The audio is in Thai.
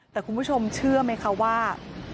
แต่คุณผู้ชมเชื่อไหมคะว่า